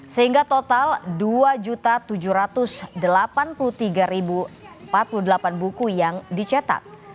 sehingga total dua tujuh ratus delapan puluh tiga empat puluh delapan buku yang dicetak